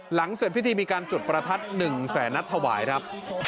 หลังเสร็จพิธีมีการจุดประทัด๑แสนนัดถวายครับ